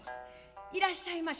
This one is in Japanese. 「いらっしゃいまし。